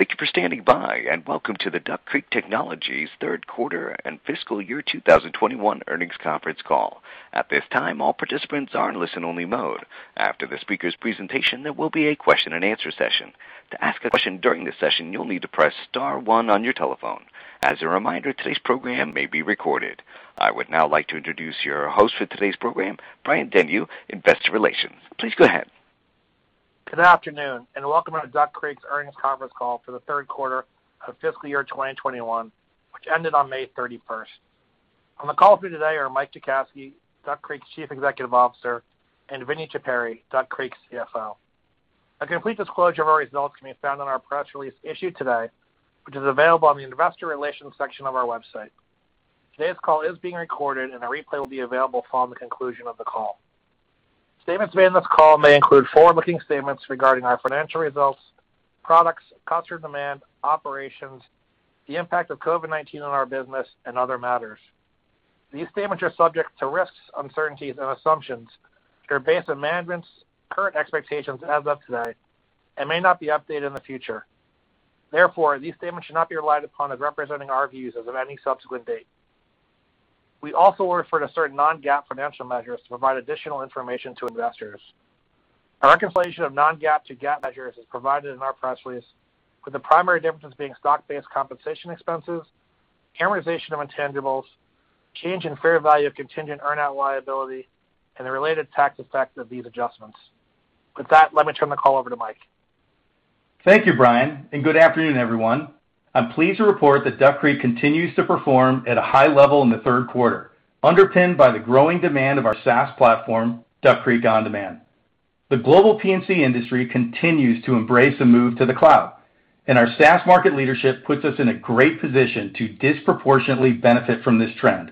Thank you for standing by, and welcome to the Duck Creek Technologies Third Quarter and Fiscal Year 2021 Earnings Conference Call. At this time, all participants are in listen-only mode. After the speaker's presentation, there will be a question-and-answer session. To ask a question during the session, you will need to press star one on your telephone. As a reminder, today's program may be recorded. I would now like to introduce your host for today's program, Brian Denyeau, Investor Relations. Please go ahead. Good afternoon, and welcome to Duck Creek's Earnings Conference Call for the Third Quarter of Fiscal Year 2021, which ended on May 31st. On the call with me today are Mike Jackowski, Duck Creek's Chief Executive Officer, and Vinny Chippari, Duck Creek's CFO. A complete disclosure of our results can be found in our press release issued today, which is available on the investor relations section of our website. Today's call is being recorded, and a replay will be available following the conclusion of the call. Statements made in this call may include forward-looking statements regarding our financial results, products, customer demand, operations, the impact of COVID-19 on our business, and other matters. These statements are subject to risks, uncertainties, and assumptions that are based on management's current expectations as of today, and may not be updated in the future. Therefore, these statements should not be relied upon as representing our views as of any subsequent date. We also refer to certain non-GAAP financial measures to provide additional information to investors. A reconciliation of non-GAAP to GAAP measures is provided in our press release, with the primary difference being stock-based compensation expenses, amortization of intangibles, change in fair value of contingent earn-out liability, and the related tax effect of these adjustments. With that, let me turn the call over to Mike. Thank you, Brian, and good afternoon, everyone. I'm pleased to report that Duck Creek continues to perform at a high level in the third quarter, underpinned by the growing demand of our SaaS platform, Duck Creek OnDemand. The global P&C industry continues to embrace the move to the cloud. Our SaaS market leadership puts us in a great position to disproportionately benefit from this trend.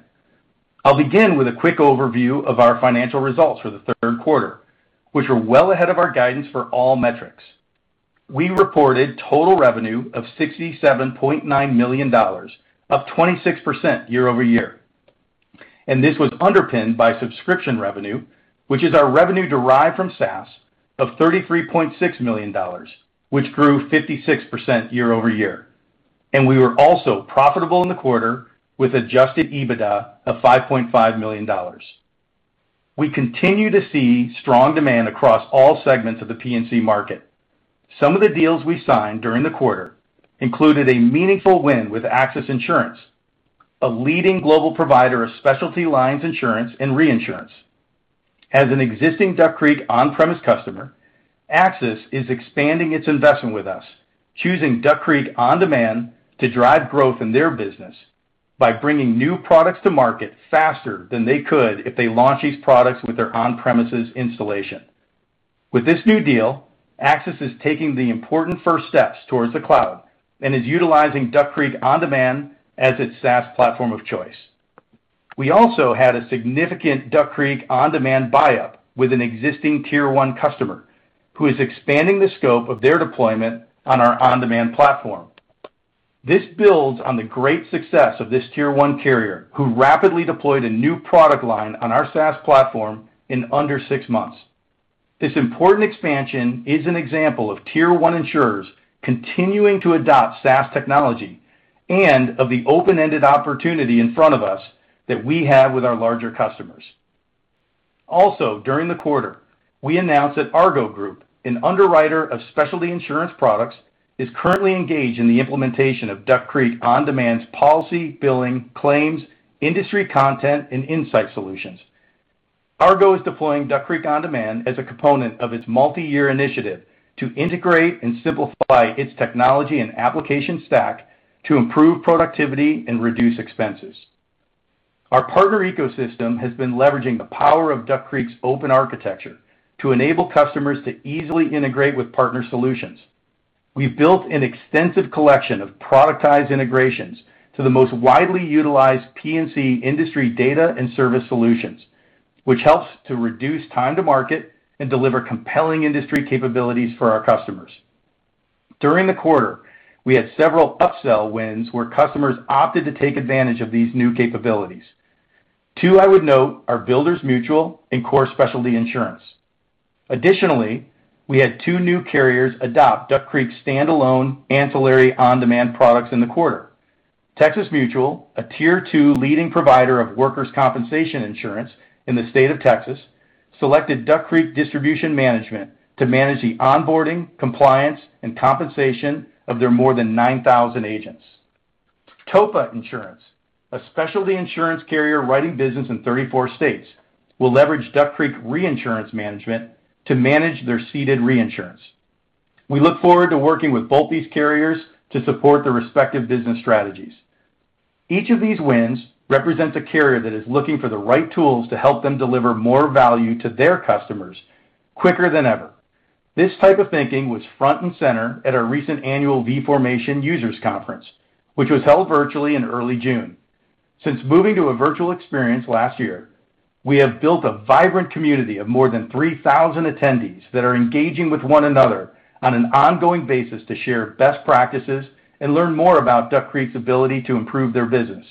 I'll begin with a quick overview of our financial results for the third quarter, which are well ahead of our guidance for all metrics. We reported total revenue of $67.9 million, up 26% year-over-year. This was underpinned by subscription revenue, which is our revenue derived from SaaS of $33.6 million, which grew 56% year-over-year. We were also profitable in the quarter with adjusted EBITDA of $5.5 million. We continue to see strong demand across all segments of the P&C market. Some of the deals we signed during the quarter included a meaningful win with AXIS Insurance, a leading global provider of specialty lines insurance and reinsurance. As an existing Duck Creek on-premise customer, AXIS is expanding its investment with us, choosing Duck Creek OnDemand to drive growth in their business by bringing new products to market faster than they could if they launch these products with their on-premises installation. With this new deal, AXIS is taking the important first steps towards the cloud and is utilizing Duck Creek OnDemand as its SaaS platform of choice. We also had a significant Duck Creek OnDemand buyup with an existing Tier 1 customer who is expanding the scope of their deployment on our OnDemand platform. This builds on the great success of this Tier 1 carrier who rapidly deployed a new product line on our SaaS platform in under six months. This important expansion is an example of Tier 1 insurers continuing to adopt SaaS technology and of the open-ended opportunity in front of us that we have with our larger customers. During the quarter, we announced that Argo Group, an underwriter of specialty insurance products, is currently engaged in the implementation of Duck Creek OnDemand's Policy, Billing, Claims, Industry Content, and Insights solutions. Argo is deploying Duck Creek OnDemand as a component of its multi-year initiative to integrate and simplify its technology and application stack to improve productivity and reduce expenses. Our partner ecosystem has been leveraging the power of Duck Creek's open architecture to enable customers to easily integrate with partner solutions. We've built an extensive collection of productized integrations to the most widely utilized P&C industry data and service solutions, which helps to reduce time to market and deliver compelling industry capabilities for our customers. During the quarter, we had several upsell wins where customers opted to take advantage of these new capabilities. Two I would note are Builders Mutual and Core Specialty Insurance. Additionally, we had two new carriers adopt Duck Creek standalone ancillary OnDemand products in the quarter. Texas Mutual, a tier two leading provider of workers' compensation insurance in the state of Texas, selected Duck Creek Distribution Management to manage the onboarding, compliance, and compensation of their more than 9,000 agents. Topa Insurance, a specialty insurance carrier writing business in 34 states, will leverage Duck Creek Reinsurance Management to manage their ceded reinsurance. We look forward to working with both these carriers to support their respective business strategies. Each of these wins represents a carrier that is looking for the right tools to help them deliver more value to their customers quicker than ever. This type of thinking was front and center at our recent annual v_Formation users conference, which was held virtually in early June. Since moving to a virtual experience last year, we have built a vibrant community of more than 3,000 attendees that are engaging with one another on an ongoing basis to share best practices and learn more about Duck Creek's ability to improve their business.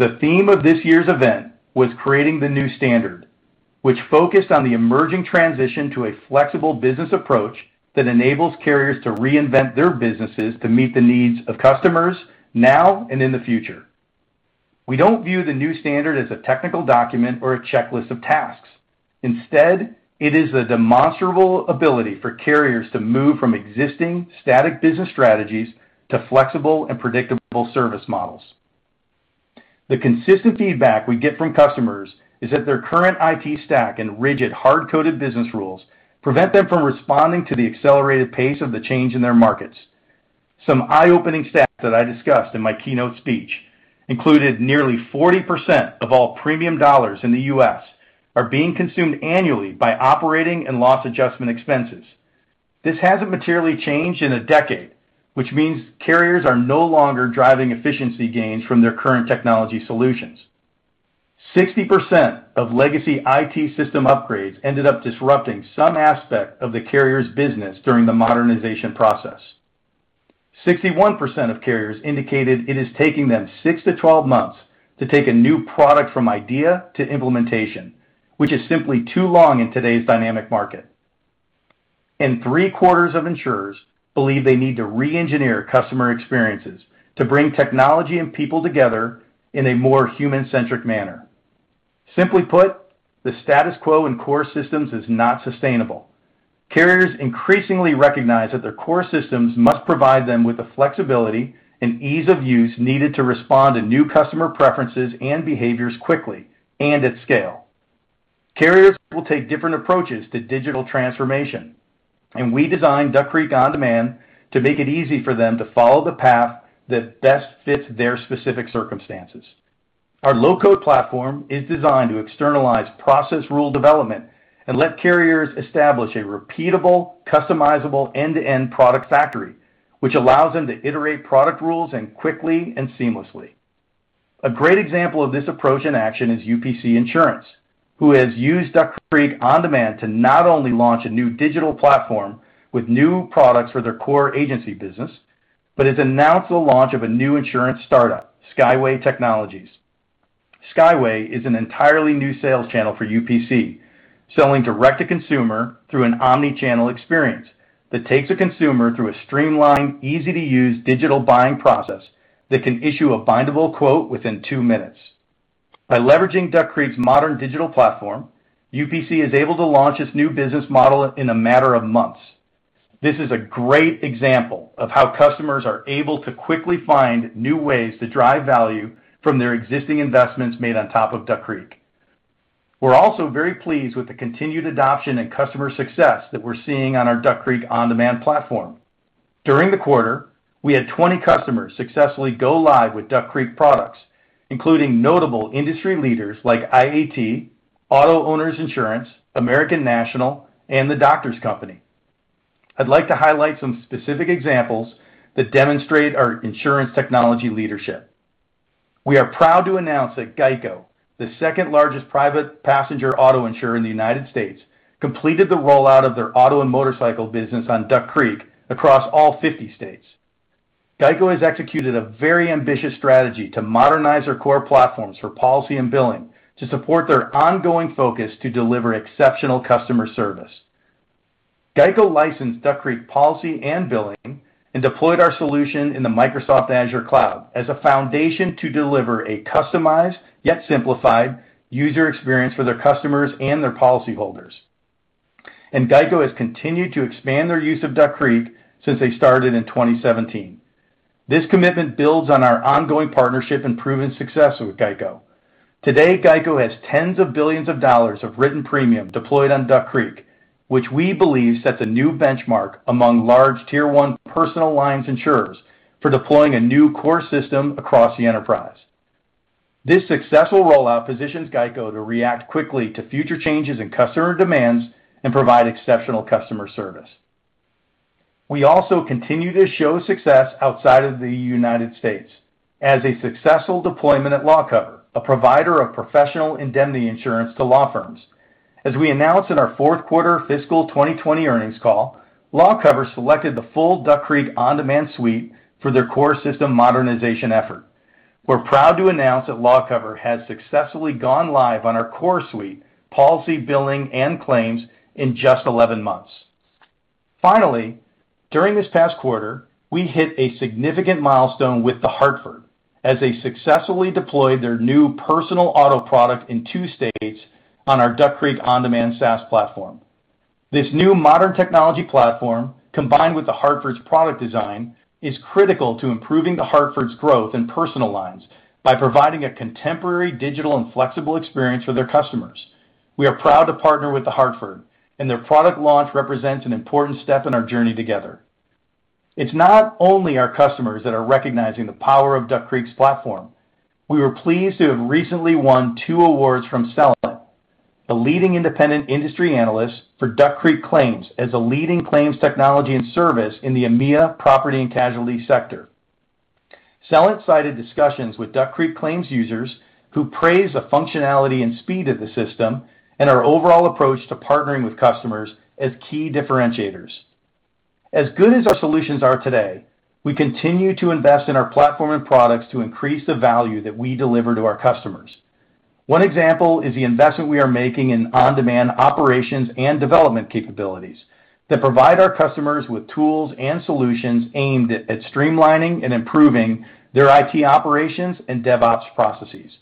The theme of this year's event was Creating the New Standard, which focused on the emerging transition to a flexible business approach that enables carriers to reinvent their businesses to meet the needs of customers now and in the future. We don't view the new standard as a technical document or a checklist of tasks. Instead, it is a demonstrable ability for carriers to move from existing static business strategies to flexible and predictable service models. The consistent feedback we get from customers is that their current IT stack and rigid hard-coded business rules prevent them from responding to the accelerated pace of the change in their markets. Some eye-opening stats that I discussed in my keynote speech included nearly 40% of all premium dollars in the U.S. are being consumed annually by operating and loss adjustment expenses. This hasn't materially changed in a decade, which means carriers are no longer driving efficiency gains from their current technology solutions. 60% of legacy IT system upgrades ended up disrupting some aspect of the carrier's business during the modernization process. 61% of carriers indicated it is taking them 6 to 12 months to take a new product from idea to implementation, which is simply too long in today's dynamic market. Three-quarters of insurers believe they need to re-engineer customer experiences to bring technology and people together in a more human-centric manner. Simply put, the status quo in core systems is not sustainable. Carriers increasingly recognize that their core systems must provide them with the flexibility and ease of use needed to respond to new customer preferences and behaviors quickly and at scale. Carriers will take different approaches to digital transformation, and we designed Duck Creek OnDemand to make it easy for them to follow the path that best fits their specific circumstances. Our low-code platform is designed to externalize process rule development and let carriers establish a repeatable, customizable end-to-end product factory, which allows them to iterate product rules quickly and seamlessly. A great example of this approach in action is UPC Insurance, who has used Duck Creek OnDemand to not only launch a new digital platform with new products for their core agency business, but has announced the launch of a new insurance startup, Skyway Technologies. Skyway is an entirely new sales channel for UPC, selling direct-to-consumer through an omni-channel experience that takes a consumer through a streamlined, easy-to-use digital buying process that can issue a bindable quote within two minutes. By leveraging Duck Creek's modern digital platform, UPC is able to launch its new business model in a matter of months. This is a great example of how customers are able to quickly find new ways to drive value from their existing investments made on top of Duck Creek. We're also very pleased with the continued adoption and customer success that we're seeing on our Duck Creek OnDemand platform. During the quarter, we had 20 customers successfully go live with Duck Creek products, including notable industry leaders like IAT, Auto-Owners Insurance, American National, and The Doctors Company. I'd like to highlight some specific examples that demonstrate our insurance technology leadership. We are proud to announce that GEICO, the second-largest private passenger auto insurer in the United States, completed the rollout of their auto and motorcycle business on Duck Creek across all 50 states. GEICO has executed a very ambitious strategy to modernize their core platforms for policy and billing to support their ongoing focus to deliver exceptional customer service. GEICO licensed Duck Creek Policy and Billing and deployed our solution in the Microsoft Azure cloud as a foundation to deliver a customized, yet simplified user experience for their customers and their policyholders. GEICO has continued to expand their use of Duck Creek since they started in 2017. This commitment builds on our ongoing partnership and proven success with GEICO. Today, GEICO has $10s of billions of written premium deployed on Duck Creek, which we believe sets a new benchmark among large Tier 1 personal lines insurers for deploying a new core system across the enterprise. This successful rollout positions GEICO to react quickly to future changes in customer demands and provide exceptional customer service. We also continue to show success outside of the United States as a successful deployment at Lawcover, a provider of professional indemnity insurance to law firms. As we announced in our fourth quarter fiscal 2020 earnings call, Lawcover selected the full Duck Creek OnDemand suite for their core system modernization effort. We're proud to announce that Lawcover has successfully gone live on our core suite, Policy, Billing, and Claims in just 11 months. Finally, during this past quarter, we hit a significant milestone with The Hartford as they successfully deployed their new personal auto product in two states on our Duck Creek OnDemand SaaS platform. This new modern technology platform, combined with The Hartford's product design, is critical to improving The Hartford's growth in personal lines by providing a contemporary, digital, and flexible experience for their customers. We are proud to partner with The Hartford, and their product launch represents an important step in our journey together. It's not only our customers that are recognizing the power of Duck Creek's platform. We were pleased to have recently won two awards from Celent, a leading independent industry analyst, for Duck Creek Claims as a leading claims technology and service in the EMEA property and casualty sector. Celent cited discussions with Duck Creek Claims users who praised the functionality and speed of the system and our overall approach to partnering with customers as key differentiators. As good as our solutions are today, we continue to invest in our platform and products to increase the value that we deliver to our customers. One example is the investment we are making in on-demand operations and development capabilities that provide our customers with tools and solutions aimed at streamlining and improving their IT operations and DevOps processes.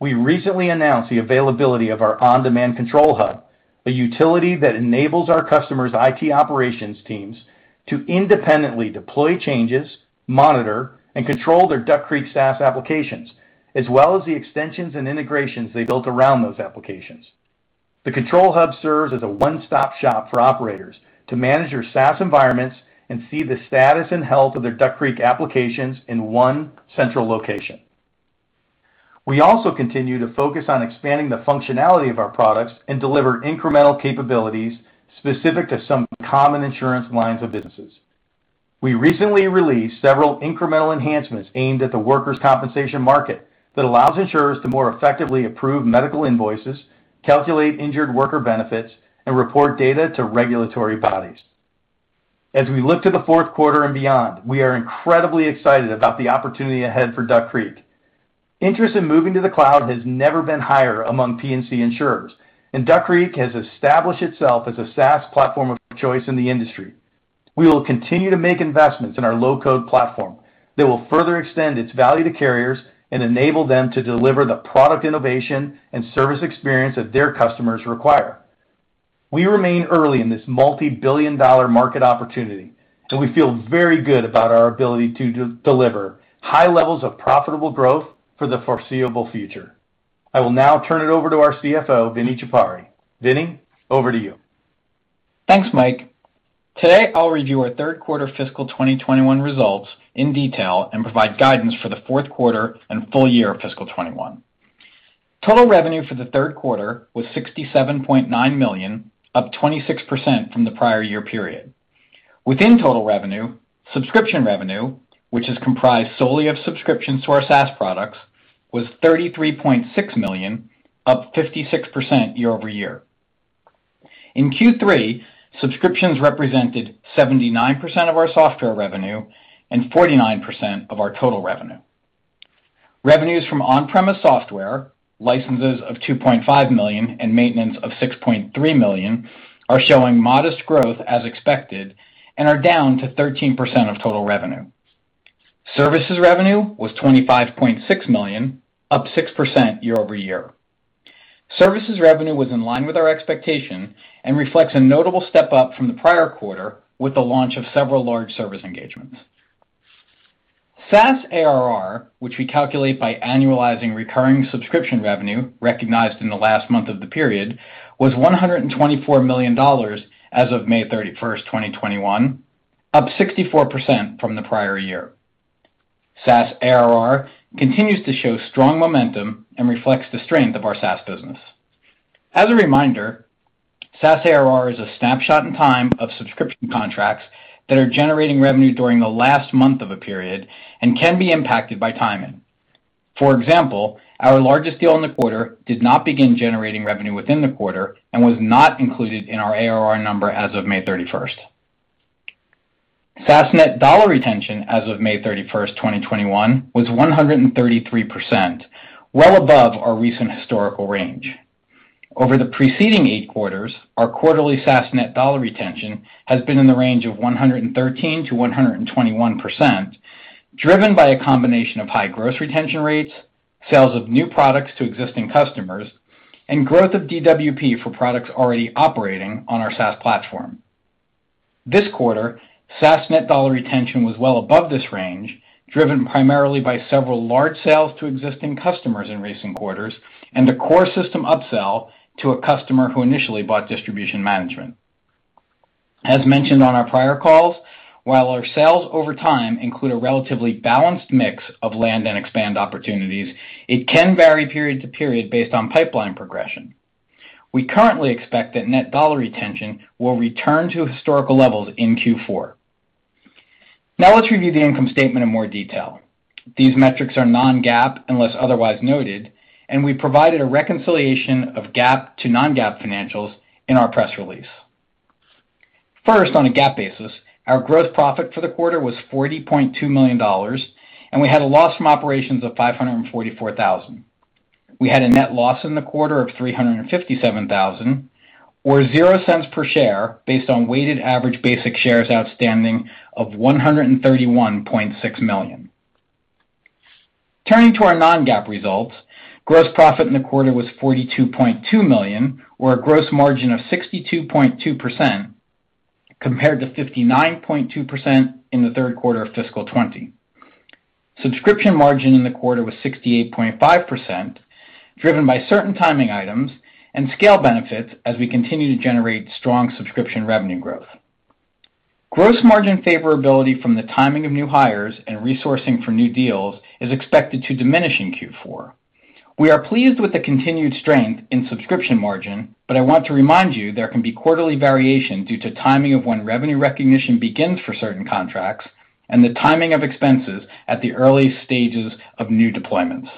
We recently announced the availability of our OnDemand Control Hub, a utility that enables our customers' IT operations teams to independently deploy changes, monitor, and control their Duck Creek SaaS applications, as well as the extensions and integrations they built around those applications. The Control Hub serves as a one-stop shop for operators to manage their SaaS environments and see the status and health of their Duck Creek applications in one central location. We also continue to focus on expanding the functionality of our products and deliver incremental capabilities specific to some common insurance lines of businesses. We recently released several incremental enhancements aimed at the workers' compensation market that allows insurers to more effectively approve medical invoices, calculate injured worker benefits, and report data to regulatory bodies. As we look to the fourth quarter and beyond, we are incredibly excited about the opportunity ahead for Duck Creek. Interest in moving to the cloud has never been higher among P&C insurers. Duck Creek has established itself as a SaaS platform of choice in the industry. We will continue to make investments in our low-code platform that will further extend its value to carriers and enable them to deliver the product innovation and service experience that their customers require. We remain early in this multi-billion-dollar market opportunity. We feel very good about our ability to deliver high levels of profitable growth for the foreseeable future. I will now turn it over to our CFO, Vinny Chippari. Vinny, over to you. Thanks, Mike. Today, I'll review our third quarter fiscal 2021 results in detail and provide guidance for the fourth quarter and full year of fiscal 2021. Total revenue for the third quarter was $67.9 million, up 26% from the prior-year period. Within total revenue, subscription revenue, which is comprised solely of subscriptions to our SaaS products, was $33.6 million, up 56% year-over-year. In Q3, subscriptions represented 79% of our software revenue and 49% of our total revenue. Revenues from on-premise software, licenses of $2.5 million and maintenance of $6.3 million, are showing modest growth as expected and are down to 13% of total revenue. Services revenue was $25.6 million, up 6% year-over-year. Services revenue was in line with our expectation and reflects a notable step-up from the prior-quarter with the launch of several large service engagements. SaaS ARR, which we calculate by annualizing recurring subscription revenue recognized in the last month of the period, was $124 million as of May 31, 2021, up 64% from the prior-year. SaaS ARR continues to show strong momentum and reflects the strength of our SaaS business. As a reminder, SaaS ARR is a snapshot in time of subscription contracts that are generating revenue during the last month of a period and can be impacted by timing. For example, our largest deal in the quarter did not begin generating revenue within the quarter and was not included in our ARR number as of May 31st. SaaS net dollar retention as of May 31st, 2021, was 133%, well above our recent historical range. Over the preceding eight quarters, our quarterly SaaS net dollar retention has been in the range of 113%-121%, driven by a combination of high gross retention rates, sales of new products to existing customers, and growth of DWP for products already operating on our SaaS platform. This quarter, SaaS net dollar retention was well above this range, driven primarily by several large sales to existing customers in recent quarters and a core system upsell to a customer who initially bought Duck Creek Distribution Management. As mentioned on our prior calls, while our sales over time include a relatively balanced mix of land and expand opportunities, it can vary period to period based on pipeline progression. We currently expect that net dollar retention will return to historical levels in Q4. Now let's review the income statement in more detail. These metrics are non-GAAP unless otherwise noted, and we provided a reconciliation of GAAP to non-GAAP financials in our press release. First, on a GAAP basis, our gross profit for the quarter was $40.2 million, and we had a loss from operations of $544,000. We had a net loss in the quarter of $357,000, or $0.00 per share based on weighted average basic shares outstanding of 131.6 million. Turning to our non-GAAP results, gross profit in the quarter was $42.2 million, or a gross margin of 62.2% compared to 59.2% in the third quarter of fiscal 2020. Subscription margin in the quarter was 68.5%, driven by certain timing items and scale benefits as we continue to generate strong subscription revenue growth. Gross margin favorability from the timing of new hires and resourcing for new deals is expected to diminish in Q4. We are pleased with the continued strength in subscription margin, but I want to remind you there can be quarterly variation due to timing of when revenue recognition begins for certain contracts and the timing of expenses at the early stages of new deployments.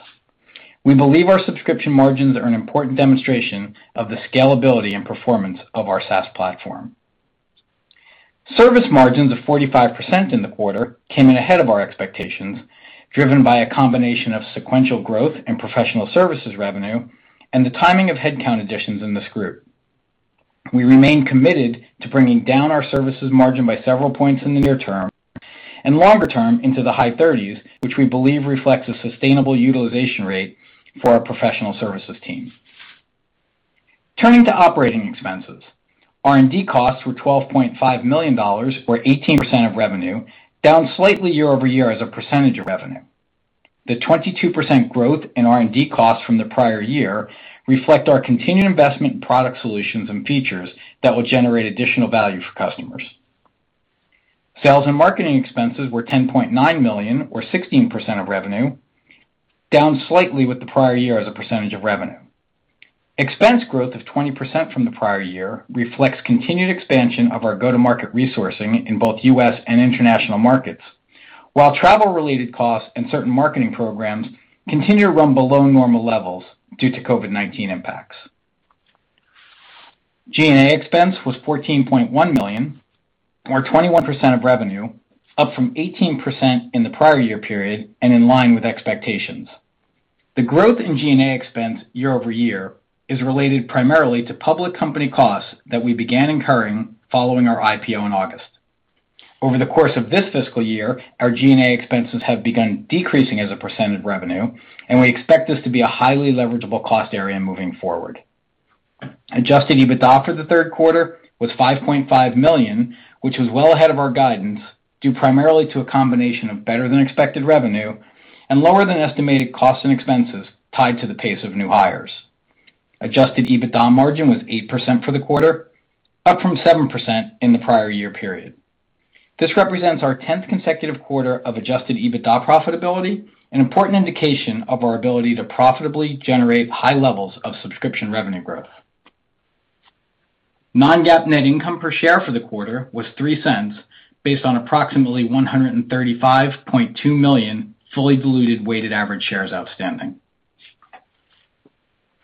We believe our subscription margins are an important demonstration of the scalability and performance of our SaaS platform. Service margins of 45% in the quarter came in ahead of our expectations, driven by a combination of sequential growth in professional services revenue and the timing of headcount additions in this group. We remain committed to bringing down our services margin by several points in the near-term and longer-term into the high 30s, which we believe reflects a sustainable utilization rate for our professional services team. Turning to operating expenses, R&D costs were $12.5 million, or 18% of revenue, down slightly year-over-year as a percentage of revenue. The 22% growth in R&D costs from the prior-year reflect our continued investment in product solutions and features that will generate additional value for customers. Sales and marketing expenses were $10.9 million, or 16% of revenue, down slightly with the prior-year as a percentage of revenue. Expense growth of 20% from the prior-year reflects continued expansion of our go-to-market resourcing in both U.S. and international markets, while travel-related costs and certain marketing programs continue to run below normal levels due to COVID-19 impacts. G&A expense was $14.1 million, or 21% of revenue, up from 18% in the prior-year period and in line with expectations. The growth in G&A expense year-over-year is related primarily to public company costs that we began incurring following our IPO in August. Over the course of this fiscal year, our G&A expenses have begun decreasing as a percentage of revenue, and we expect this to be a highly leverageable cost area moving forward. Adjusted EBITDA for the third quarter was $5.5 million, which was well ahead of our guidance, due primarily to a combination of better-than-expected revenue and lower-than-estimated costs and expenses tied to the pace of new hires. Adjusted EBITDA margin was 8% for the quarter, up from 7% in the prior-year period. This represents our 10th consecutive quarter of adjusted EBITDA profitability, an important indication of our ability to profitably generate high levels of subscription revenue growth. Non-GAAP net income per share for the quarter was $0.03, based on approximately 135.2 million fully diluted weighted average shares outstanding.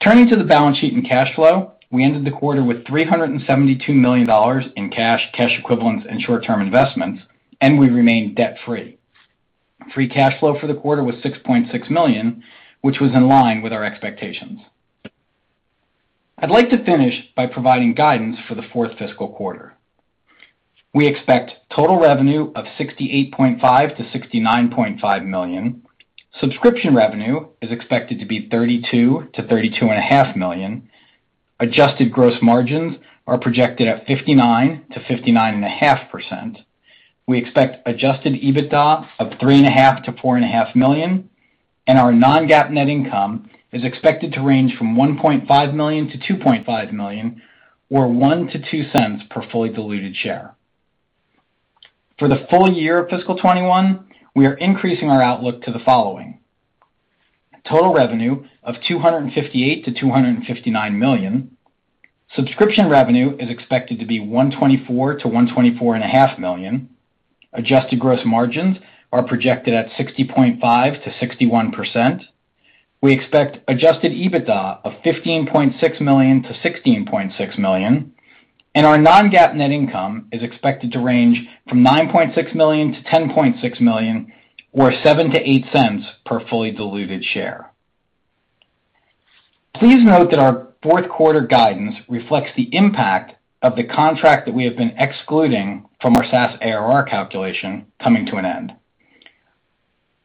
Turning to the balance sheet and cash flow, we ended the quarter with $372 million in cash equivalents, and short-term investments, and we remained debt-free. Free cash flow for the quarter was $6.6 million, which was in line with our expectations. I'd like to finish by providing guidance for the fourth fiscal quarter. We expect total revenue of $68.5 million-$69.5 million. Subscription revenue is expected to be $32 million-$32.5 million. Adjusted gross margins are projected at 59%-59.5%. We expect adjusted EBITDA of $3.5 million-$4.5 million, and our non-GAAP net income is expected to range from $1.5 million-$2.5 million, or $0.01 to $0.02 per fully diluted share. For the full-year of fiscal year 2021, we are increasing our outlook to the following. Total revenue of $258 million-$259 million. Subscription revenue is expected to be $124 million-$124.5 million. Adjusted gross margins are projected at 60.5%-61%. We expect adjusted EBITDA of $15.6 million-$16.6 million, and our non-GAAP net income is expected to range from $9.6 million-$10.6 million, or $0.07 to $0.08 per fully diluted share. Please note that our fourth quarter guidance reflects the impact of the contract that we have been excluding from our SaaS ARR calculation coming to an end.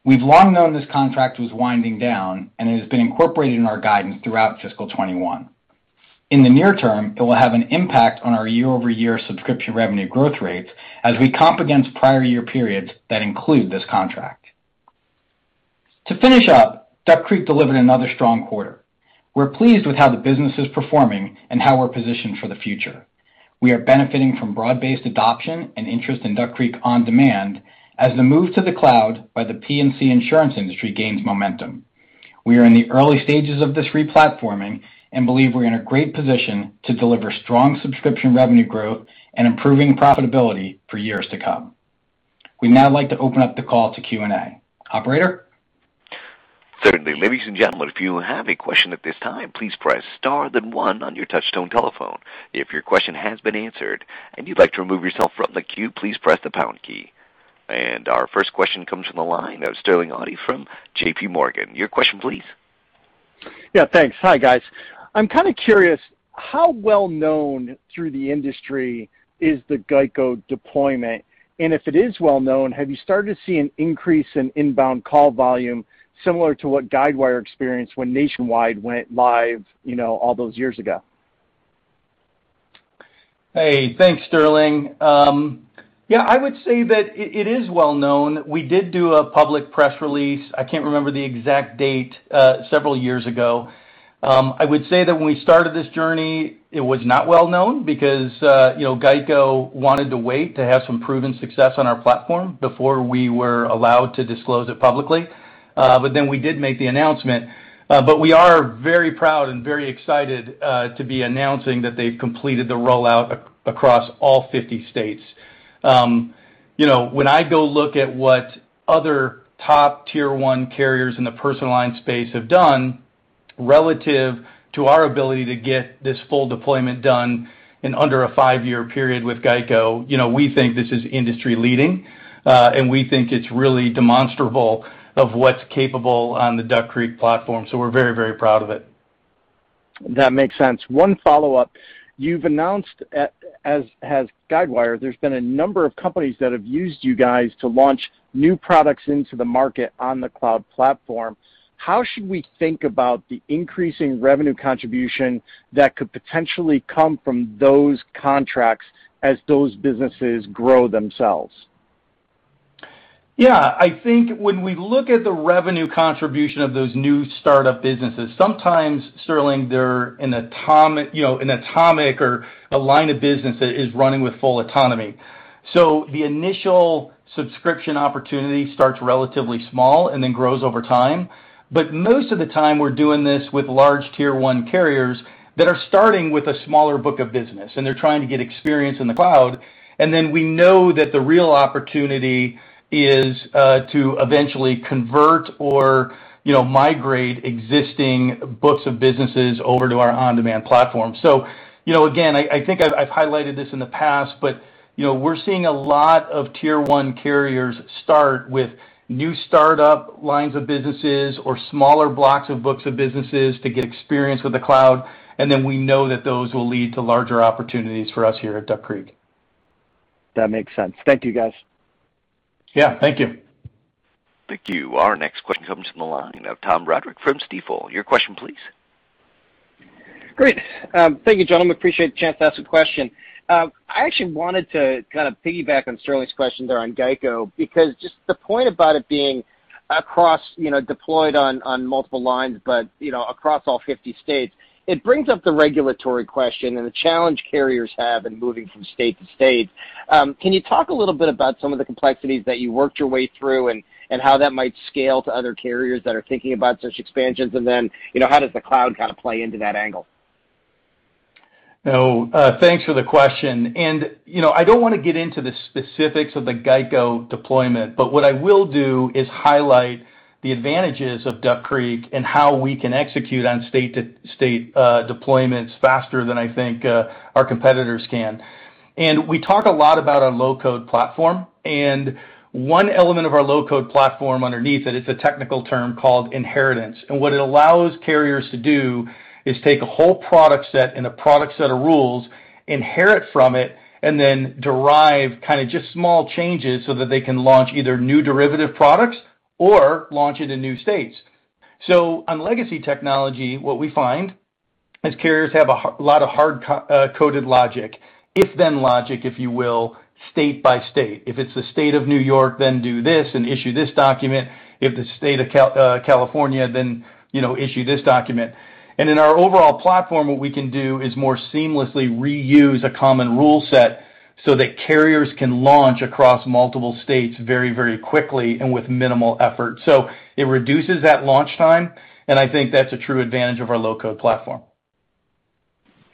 We've long known this contract was winding down and has been incorporated in our guidance throughout fiscal 21. In the near-term, it will have an impact on our year-over-year subscription revenue growth rates as we comp against prior year periods that include this contract. To finish up, Duck Creek delivered another strong quarter. We're pleased with how the business is performing and how we're positioned for the future. We are benefiting from broad-based adoption and interest in Duck Creek OnDemand as the move to the cloud by the P&C insurance industry gains momentum. We are in the early stages of this replatforming and believe we're in a great position to deliver strong subscription revenue growth and improving profitability for years to come. We'd now like to open up the call to Q&A. Operator? Certainly, ladies and gentleman, if you have a question at this time, please press star then one on your touch-tone telephone. If your question has been answered and you'd like to remove yourself from the queue, please press the pound key. Our first question comes from the line of Sterling Auty from JPMorgan. Your question, please. Yeah, thanks. Hi, guys. I'm curious, how well known through the industry is the GEICO deployment? If it is well known, have you started to see an increase in inbound call volume similar to what Guidewire experienced when Nationwide went live, all those years ago? Hey, thanks, Sterling. Yeah, I would say that it is well known. We did do a public press release, I can't remember the exact date, several years ago. I would say that when we started this journey, it was not well known because GEICO wanted to wait to have some proven success on our platform before we were allowed to disclose it publicly. We did make the announcement. We are very proud and very excited to be announcing that they've completed the rollout across all 50 states. When I go look at what other top Tier 1 carriers in the personal line space have done relative to our ability to get this full deployment done in under a five-year period with GEICO, we think this is industry-leading, and we think it's really demonstrable of what's capable on the Duck Creek platform. We're very, very proud of it. That makes sense. One follow-up. You've announced, as has Guidewire, there's been a number of companies that have used you guys to launch new products into the market on the cloud platform. How should we think about the increasing revenue contribution that could potentially come from those contracts as those businesses grow themselves? Yeah. I think when we look at the revenue contribution of those new startup businesses, sometimes, Sterling, they're an atomic or a line of business that is running with full autonomy. The initial subscription opportunity starts relatively small and then grows over time. Most of the time, we're doing this with large Tier 1 carriers that are starting with a smaller book of business, and they're trying to get experience in the cloud. Then we know that the real opportunity is to eventually convert or migrate existing books of businesses over to our OnDemand platform. Again, I think I've highlighted this in the past, but we're seeing a lot of Tier 1 carriers start with new startup lines of businesses or smaller blocks of books of businesses to get experience with the cloud, and then we know that those will lead to larger opportunities for us here at Duck Creek. That makes sense. Thank you, guys. Yeah. Thank you. Thank you. Our next question comes from the line of Tom Roderick from Stifel. Your question please. Great. Thank you, gentlemen. Appreciate the chance to ask a question. I actually wanted to kind of piggyback on Sterling's question there on GEICO, because just the point about it being deployed on multiple lines, but across all 50 states. It brings up the regulatory question and the challenge carriers have in moving from state to state. Can you talk a little bit about some of the complexities that you worked your way through and how that might scale to other carriers that are thinking about such expansions? How does the cloud kind of play into that angle? Thanks for the question. I don't want to get into the specifics of the GEICO deployment, but what I will do is highlight the advantages of Duck Creek and how we can execute on state-to-state deployments faster than I think our competitors can. We talk a lot about our low-code platform, and one element of our low-code platform underneath it is a technical term called inheritance. What it allows carriers to do is take a whole product set and a product set of rules, inherit from it, and then derive kind of just small changes so that they can launch either new derivative products or launch into new states. On legacy technology, what we find is carriers have a lot of hard-coded logic, if then logic, if you will, state by state. If it's the state of New York, then do this and issue this document. If the state of California, then issue this document. In our overall platform, what we can do is more seamlessly reuse a common rule set so that carriers can launch across multiple states very, very quickly and with minimal effort. It reduces that launch time, and I think that's a true advantage of our low-code platform.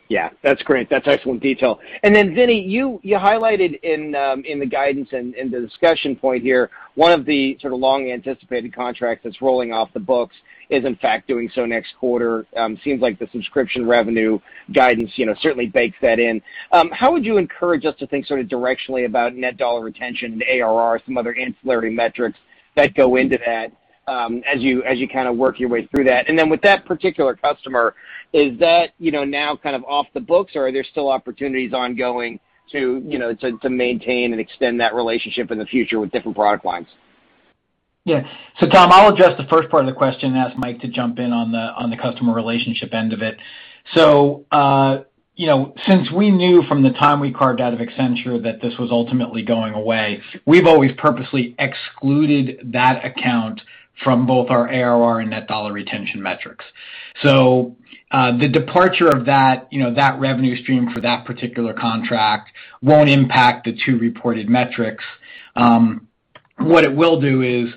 Yeah. That's great. That's excellent detail. Vinny, you highlighted in the guidance and in the discussion point here one of the sort of long-anticipated contracts that's rolling off the books is in fact doing so next quarter. Seems like the subscription revenue guidance certainly bakes that in. How would you encourage us to think sort of directionally about net dollar retention, ARR, some other ancillary metrics that go into that as you kind of work your way through that? With that particular customer, is that now kind of off the books, or are there still opportunities ongoing to maintain and extend that relationship in the future with different product lines? Tom, I'll address the first part of the question and ask Mike to jump in on the customer relationship end of it. Since we knew from the time we carved out of Accenture that this was ultimately going away, we've always purposely excluded that account from both our ARR and net dollar retention metrics. The departure of that revenue stream for that particular contract won't impact the two reported metrics. What it will do is,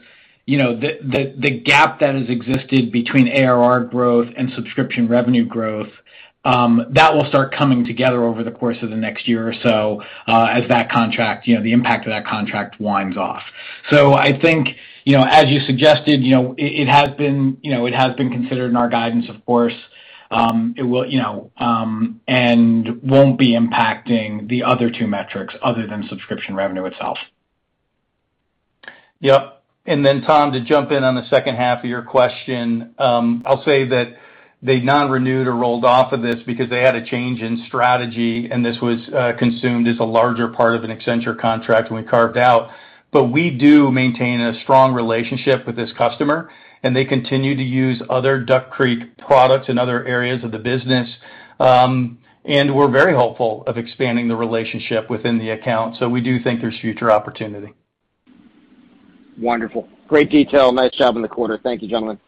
the gap that has existed between ARR growth and subscription revenue growth, that will start coming together over the course of the next year or so as the impact of that contract winds off. I think, as you suggested, it has been considered in our guidance, of course, and won't be impacting the other two metrics other than subscription revenue itself. Tom, to jump in on the second half of your question, I'll say that they non-renewed or rolled off of this because they had a change in strategy, and this was consumed as a larger part of an Accenture contract when we carved out. We do maintain a strong relationship with this customer, and they continue to use other Duck Creek products in other areas of the business. We're very hopeful of expanding the relationship within the account. We do think there's future opportunity. Wonderful. Great detail. Nice job in the quarter. Thank you, gentlemen.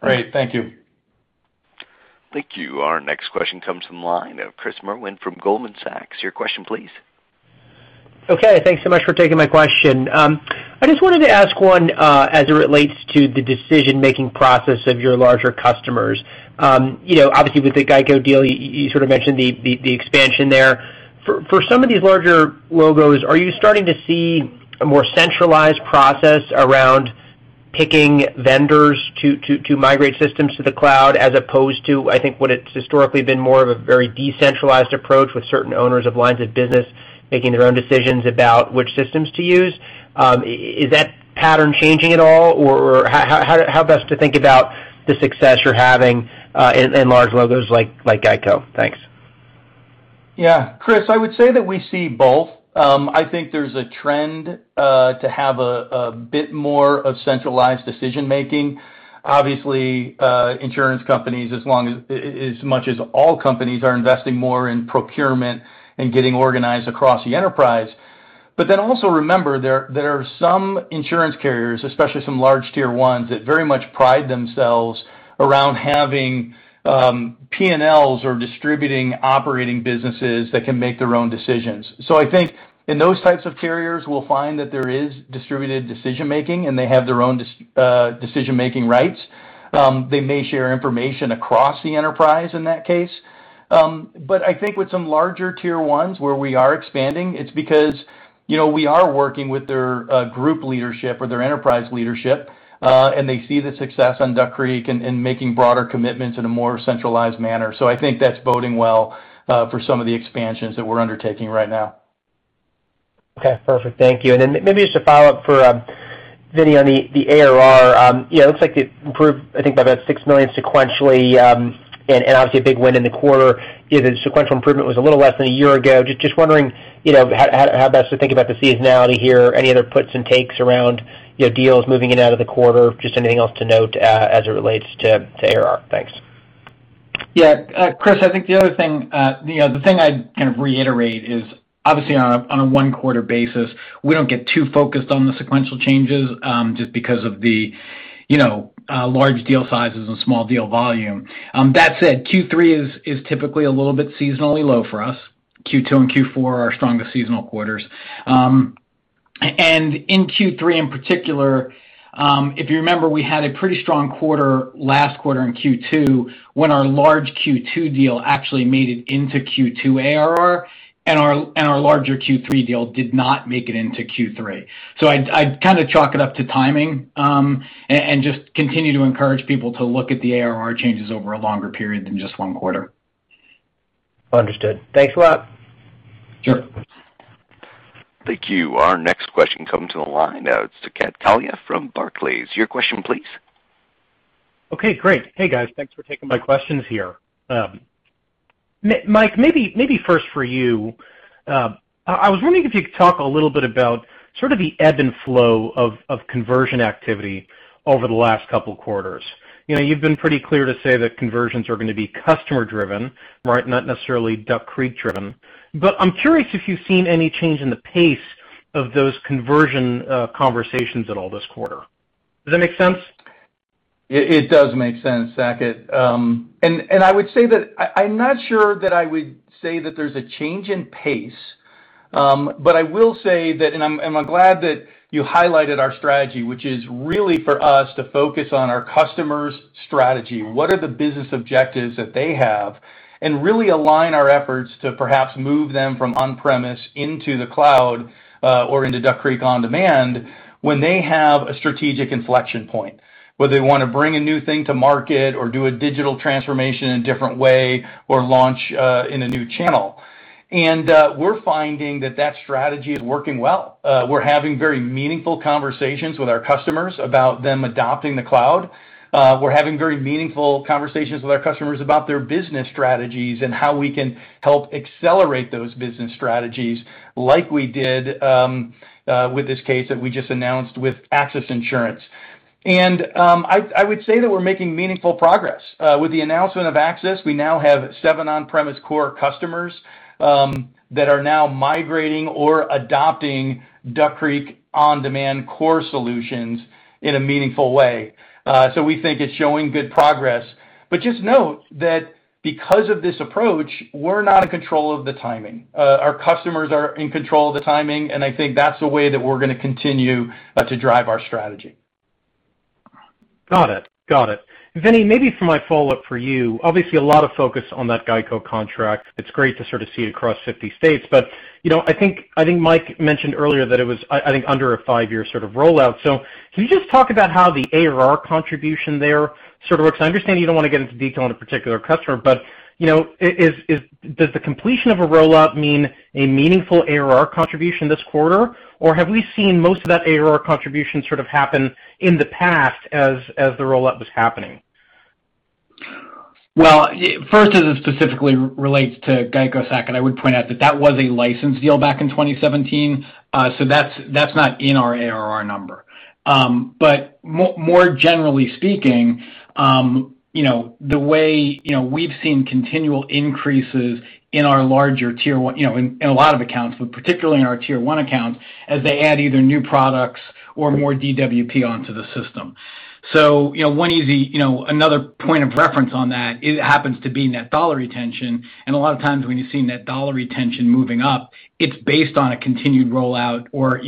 Great. Thank you. Thank you. Our next question comes from the line of Chris Merwin from Goldman Sachs. Your question, please. Okay. Thanks so much for taking my question. I just wanted to ask one as it relates to the decision-making process of your larger customers. With the GEICO deal, you sort of mentioned the expansion there. For some of these larger logos, are you starting to see a more centralized process around picking vendors to migrate systems to the cloud as opposed to, I think, what it's historically been more of a very decentralized approach with certain owners of lines of business making their own decisions about which systems to use. Is that pattern changing at all? How best to think about the success you're having in large others like GEICO? Thanks. Yeah, Chris, I would say that we see both. I think there's a trend to have a bit more of centralized decision-making. Obviously, insurance companies, as much as all companies, are investing more in procurement and getting organized across the enterprise. Also remember there are some insurance carriers, especially some large Tier 1s, that very much pride themselves around having P&Ls or distributing operating businesses that can make their own decisions. I think in those types of carriers, we'll find that there is distributed decision-making, and they have their own decision-making rights. They may share information across the enterprise in that case. I think with some larger Tier 1s where we are expanding, it's because we are working with their group leadership or their enterprise leadership, and they see the success on Duck Creek in making broader commitments in a more centralized manner. I think that's boding well for some of the expansions that we're undertaking right now. Okay, perfect. Thank you. Maybe just a follow-up for Vinny on the ARR. It looks like it improved, I think, about $6 million sequentially, and obviously a big win in the quarter. The sequential improvement was a little less than a year ago. Just wondering how best to think about the seasonality here. Any other puts and takes around deals moving in and out of the quarter? Just anything else to note as it relates to ARR. Thanks. Yeah. Chris, I think the other thing I'd kind of reiterate is obviously on a one-quarter basis, we don't get too focused on the sequential changes, just because of the large deal sizes and small deal volume. That said, Q3 is typically a little bit seasonally low for us. Q2 and Q4 are our strongest seasonal quarters. In Q3 in particular, if you remember, we had a pretty strong quarter last quarter in Q2 when our large Q2 deal actually made it into Q2 ARR, and our larger Q3 deal did not make it into Q3. I'd chalk it up to timing, and just continue to encourage people to look at the ARR changes over a longer period than just one quarter. Understood. Thanks a lot. Sure. Thank you. Our next question comes on the line now. It's Saket Kalia from Barclays. Your question, please. Okay, great. Hey, guys. Thanks for taking my questions here. Mike, maybe first for you, I was wondering if you could talk a little bit about sort of the ebb and flow of conversion activity over the last couple of quarters. You've been pretty clear to say that conversions are going to be customer-driven, right, not necessarily Duck Creek-driven. I'm curious if you've seen any change in the pace of those conversion conversations at all this quarter. Does that make sense? It does make sense, Saket. I would say that I'm not sure that I would say that there's a change in pace. I will say that, and I'm glad that you highlighted our strategy, which is really for us to focus on our customer's strategy. What are the business objectives that they have? Really align our efforts to perhaps move them from on-premise into the cloud or into Duck Creek OnDemand when they have a strategic inflection point, whether they want to bring a new thing to market or do a digital transformation a different way or launch in a new channel. We're finding that strategy is working well. We're having very meaningful conversations with our customers about them adopting the cloud. We're having very meaningful conversations with our customers about their business strategies and how we can help accelerate those business strategies like we did with this case that we just announced with AXIS Insurance. I would say that we're making meaningful progress. With the announcement of AXIS, we now have seven on-premise core customers that are now migrating or adopting Duck Creek OnDemand core solutions in a meaningful way. We think it's showing good progress. Just note that because of this approach, we're not in control of the timing. Our customers are in control of the timing, and I think that's the way that we're going to continue to drive our strategy. Got it. Vinny, maybe for my follow-up for you. A lot of focus on that GEICO contract. It's great to sort of see across 50 states. I think Mike mentioned earlier that it was, I think, under a five-year sort of rollout. Can you just talk about how the ARR contribution there sort of works? I understand you don't want to get into detail on a particular customer, but does the completion of a rollout mean a meaningful ARR contribution this quarter? Have we seen most of that ARR contribution sort of happen in the past as the rollout was happening? Well, first, as it specifically relates to GEICO, Saket, I would point out that that was a license deal back in 2017. That's not in our ARR number. More generally speaking, the way we've seen continual increases in our larger Tier 1, in a lot of accounts, but particularly in our Tier 1 accounts, as they add either new products or more DWP onto the system. Another point of reference on that, it happens to be net dollar retention. A lot of times when you're seeing net dollar retention moving up, it's based on a continued rollout or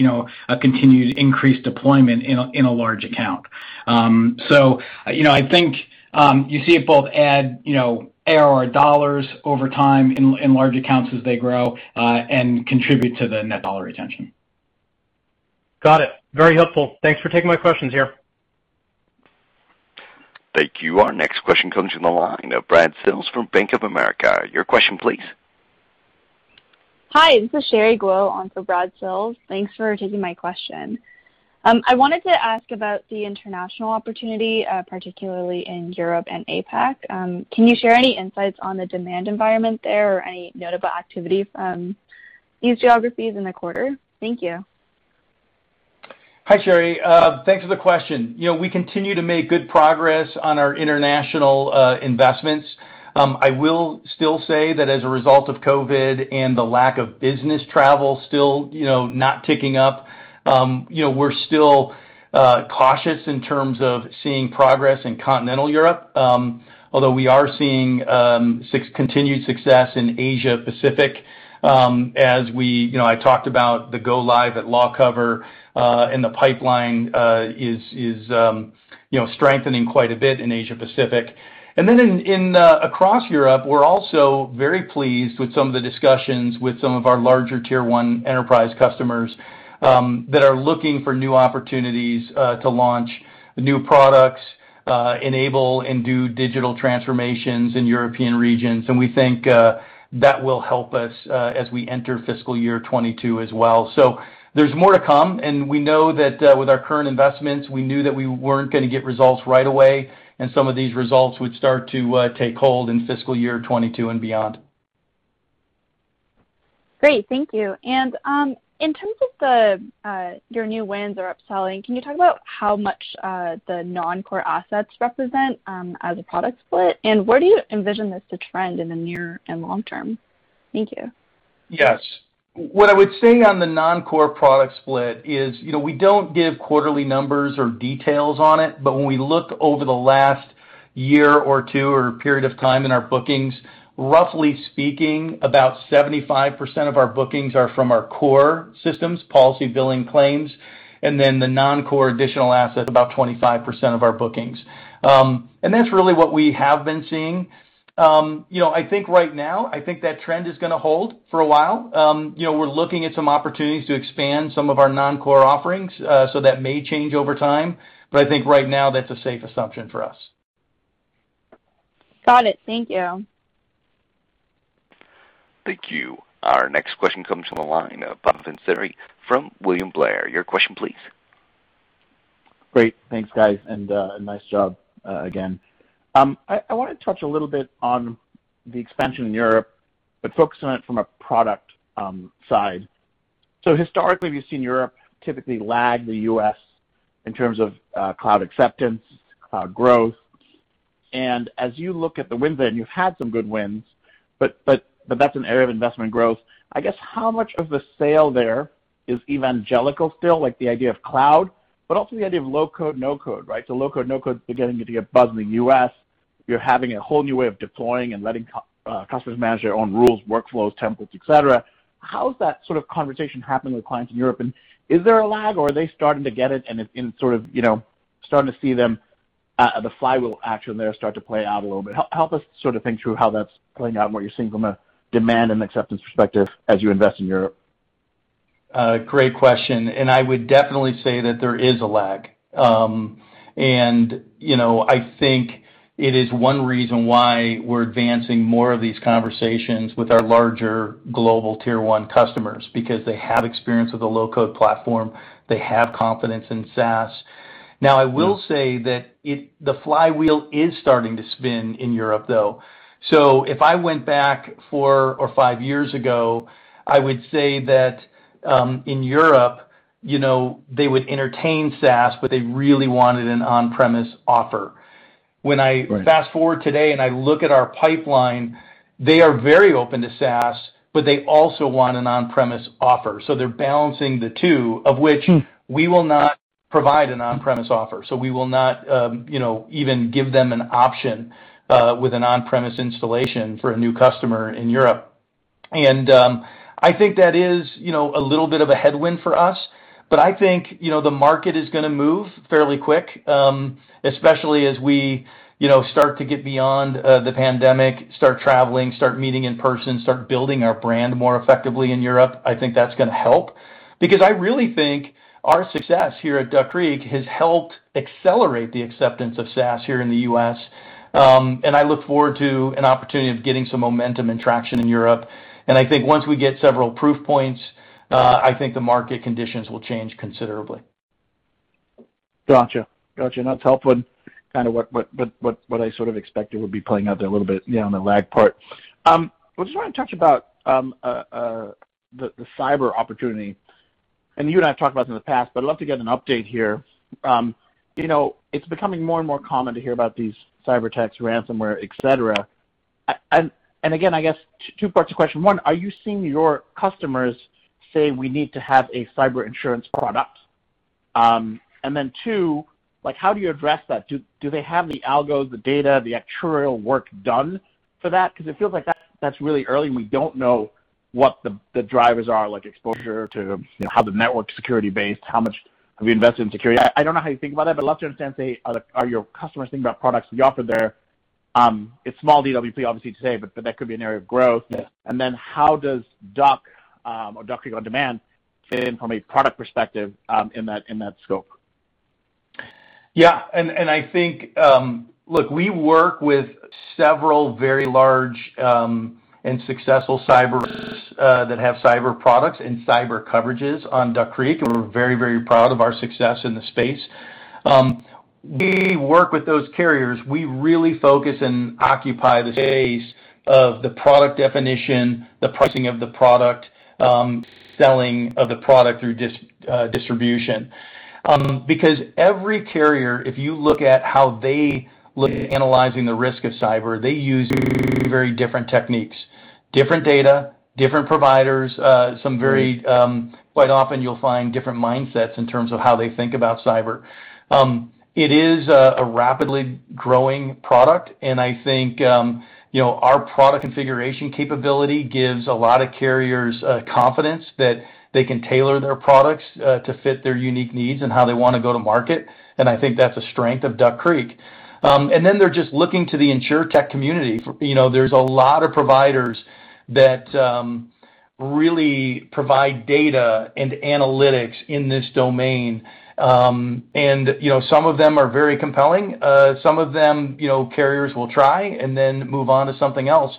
a continued increased deployment in a large account. I think you see it both add ARR dollars over time in large accounts as they grow and contribute to the net dollar retention. Got it. Very helpful. Thanks for taking my questions here. Thank you. Our next question comes from the line of Brad Sills from Bank of America. Your question, please. Hi, this is Sherry Guo on for Brad Sills. Thanks for taking my question. I wanted to ask about the international opportunity, particularly in Europe and APAC. Can you share any insights on the demand environment there or any notable activity from these geographies in the quarter? Thank you. Hi, Sherry. Thanks for the question. We continue to make good progress on our international investments. I will still say that as a result of COVID and the lack of business travel still not ticking up, we're still cautious in terms of seeing progress in continental Europe. We are seeing continued success in Asia Pacific. As I talked about the go live at Lawcover and the pipeline is strengthening quite a bit in Asia Pacific. Across Europe, we're also very pleased with some of the discussions with some of our larger Tier 1 enterprise customers that are looking for new opportunities to launch new products, enable and do digital transformations in European regions. We think that will help us as we enter fiscal year 2022 as well. There's more to come, and we know that with our current investments, we knew that we weren't going to get results right away, and some of these results would start to take hold in fiscal year 2022 and beyond. Great. Thank you. In terms of your new wins or upselling, can you talk about how much the non-core assets represent as a product split? Where do you envision this to trend in the near and long-term? Thank you. Yes. What I would say on the non-core product split is, we don't give quarterly numbers or details on it, but when we look over the last year or two or period of time in our bookings, roughly speaking, about 75% of our bookings are from our core systems, policy billing claims, and then the non-core additional asset, about 25% of our bookings. That's really what we have been seeing. I think right now, I think that trend is going to hold for a while. We're looking at some opportunities to expand some of our non-core offerings, that may change over time. I think right now, that's a safe assumption for us. Got it. Thank you. Thank you. Our next question comes from the line of Bhavan Suri from William Blair. Your question, please. Great. Thanks, guys, and nice job again. I want to touch a little bit on the expansion in Europe, but focus on it from a product side. Historically, we've seen Europe typically lag the U.S. in terms of cloud acceptance, cloud growth. As you look at the wins, and you've had some good wins, but that's an area of investment growth. How much of the sale there is evangelical still, like the idea of cloud, but also the idea of low-code, no-code, right? Low-code, no-code, beginning to get buzz in the U.S. You're having a whole new way of deploying and letting customers manage their own rules, workflows, templates, etc. How has that sort of conversation happened with clients in Europe, and is there a lag or are they starting to get it and in sort of starting to see them, the flywheel action there start to play out a little bit? Help us sort of think through how that's playing out and what you're seeing from a demand and acceptance perspective as you invest in Europe. Great question. I would definitely say that there is a lag. I think it is one reason why we're advancing more of these conversations with our larger global Tier 1 customers, because they have experience with a low-code platform. They have confidence in SaaS. I will say that the flywheel is starting to spin in Europe, though. If I went back four or five years ago, I would say that, in Europe, they would entertain SaaS, but they really wanted an on-premise offer. When I fast-forward today and I look at our pipeline, they are very open to SaaS, but they also want an on-premise offer. They're balancing the two, of which we will not provide an on-premise offer. We will not even give them an option with an on-premise installation for a new customer in Europe. I think that is a little bit of a headwind for us, but I think the market is going to move fairly quick, especially as we start to get beyond the pandemic, start traveling, start meeting in person, start building our brand more effectively in Europe. I think that's going to help because I really think our success here at Duck Creek has helped accelerate the acceptance of SaaS here in the U.S., and I look forward to an opportunity of getting some momentum and traction in Europe. I think once we get several proof points, I think the market conditions will change considerably. Got you. That's helpful and kind of what I sort of expected would be playing out there a little bit on the lag part. I just want to touch about the cyber opportunity, and you and I have talked about this in the past, but I'd love to get an update here. It's becoming more and more common to hear about these cyberattacks, ransomware, etc. Again, I guess two parts to the question. One, are you seeing your customers say we need to have a cyber insurance product? Then two, how do you address that? Do they have the algos, the data, the actuarial work done for that? Because it feels like that's really early and we don't know what the drivers are, like exposure to how the network's security based, how much have you invested in security. I don't know how you think about that, but I'd love to understand, say, are your customers thinking about products to be offered there? It's small DWP, obviously, today, but that could be an area of growth. How does Duck Creek OnDemand fit from a product perspective in that scope? Yeah. I think, look, we work with several very large and successful cyber risks that have cyber products and cyber coverages on Duck Creek. We're very, very proud of our success in the space. We work with those carriers. We really focus and occupy the space of the product definition, the pricing of the product, selling of the product through distribution. Every carrier, if you look at how they look at analyzing the risk of cyber, they use very different techniques, different data, different providers, quite often you'll find different mindsets in terms of how they think about cyber. It is a rapidly growing product, and I think our product configuration capability gives a lot of carriers confidence that they can tailor their products to fit their unique needs and how they want to go to market. I think that's a strength of Duck Creek. They're just looking to the InsurTech community. There's a lot of providers that really provide data and analytics in this domain. Some of them are very compelling. Some of them, carriers will try and then move on to something else.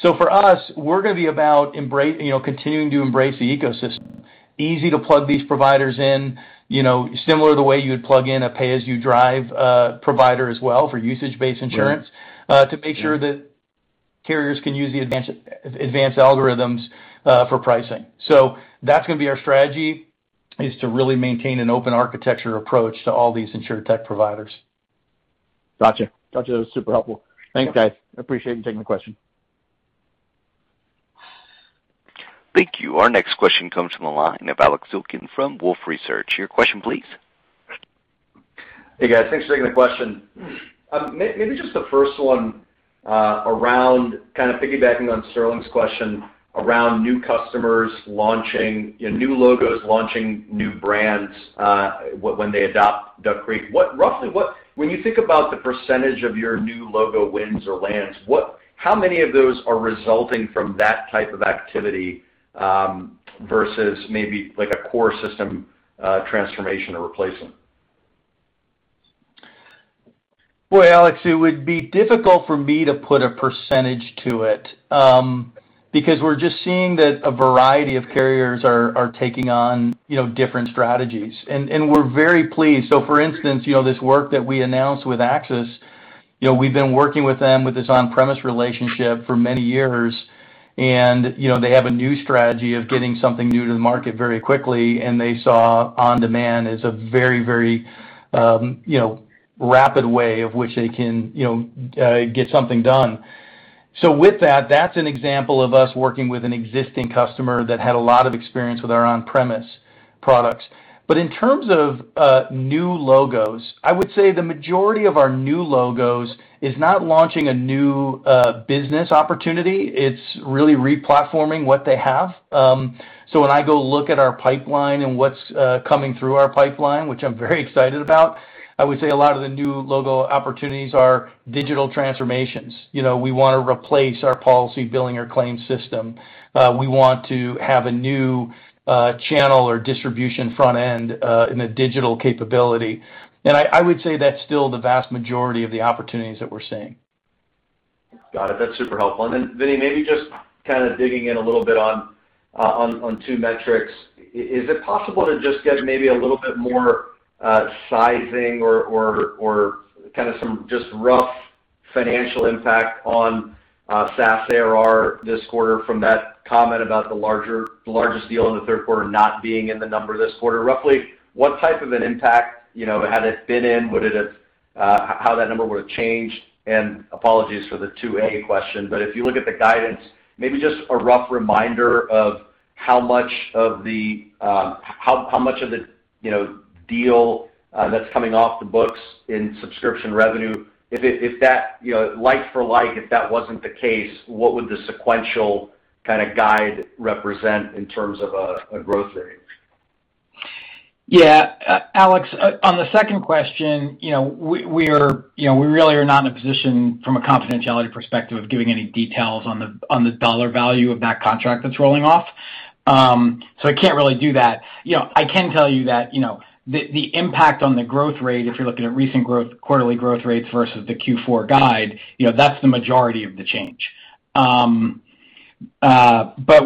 For us, we're going to be about continuing to embrace the ecosystem. Easy to plug these providers in, similar to the way you would plug in a pay-as-you-drive provider as well for usage-based insurance. Right. To make sure that carriers can use the advanced algorithms for pricing. That's going to be our strategy, is to really maintain an open architecture approach to all these InsurTech providers. Got you. That's super helpful. Thanks, guys. I appreciate you taking the question. Thank you. Our next question comes from the line of Alex Zukin from Wolfe Research. Your question, please. Hey, guys. Thanks for taking the question. Maybe just the first one around kind of piggybacking on Sterling's question around new customers launching, new logos launching new brands when they adopt Duck Creek. When you think about the percentage of your new logo wins or lands, how many of those are resulting from that type of activity, versus maybe like a core system transformation or replacement? Well, Alex, it would be difficult for me to put a percentage to it, because we're just seeing that a variety of carriers are taking on different strategies. We're very pleased. For instance, this work that we announced with AXIS, we've been working with them with this on-premise relationship for many years. They have a new strategy of getting something new to the market very quickly, and they saw on-demand as a very rapid way of which they can get something done. With that's an example of us working with an existing customer that had a lot of experience with our on-premise products. In terms of new logos, I would say the majority of our new logos is not launching a new business opportunity. It's really re-platforming what they have. When I go look at our pipeline and what's coming through our pipeline, which I'm very excited about, I would say a lot of the new logo opportunities are digital transformations. We want to replace our policy billing or claims system. We want to have a new channel or distribution front-end in a digital capability. I would say that's still the vast majority of the opportunities that we're seeing. Got it. That's super helpful. Then maybe just kind of digging in a little bit on two metrics. Is it possible to just get maybe a little bit more sizing or kind of some just rough financial impact on SaaS ARR this quarter from that comment about the largest deal in the third quarter not being in the number this quarter? Roughly, what type of an impact had it been in, how that number would've changed? Apologies for the 2a question, but if you look at the guidance, maybe just a rough reminder of how much of the deal that's coming off the books in subscription revenue. Life-for-life, if that wasn't the case, what would the sequential kind of guide represent in terms of a growth rate? Yeah. Alex, on the second question, we really are not in a position from a confidentiality perspective of giving any details on the dollar value of that contract that's rolling off. I can't really do that. I can tell you that the impact on the growth rate, if you look at recent quarterly growth rates versus the Q4 guide, that's the majority of the change. We're not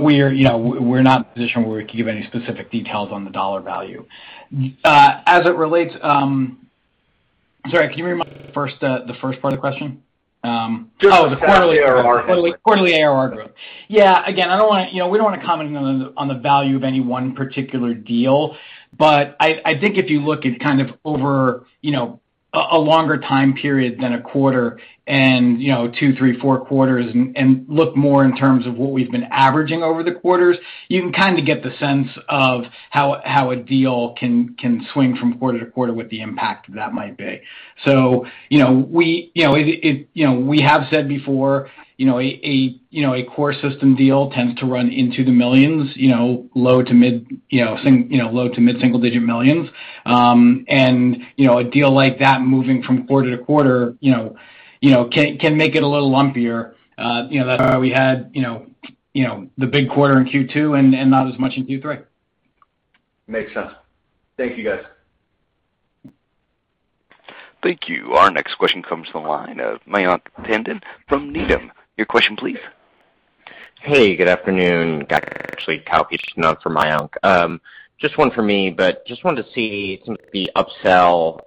in a position where we can give any specific details on the dollar value. I'm sorry, can you remind me the first part of the question? Oh, the quarterly ARR growth. Quarterly ARR growth. Yeah, again, we don't want to comment on the value of any one particular deal, but I think if you look at kind of over a longer time period than a quarter and two, three, four quarters and look more in terms of what we've been averaging over the quarters, you can kind of get the sense of how a deal can swing from quarter-to-quarter, what the impact of that might be. We have said before, a core system deal tends to run into the millions, low to mid-single-digit millions. A deal like that moving from quarter-to-quarter can make it a little lumpier. That's why we had the big quarter in Q2 and not as much in Q3. Makes sense. Thank you, guys. Thank you. Our next question comes from the line of Mayank Tandon from Needham. Your question, please. Hey, good afternoon, guys. Actually, [Kalpesh] here from Mayank. Just one for me, but just wanted to see some of the upsell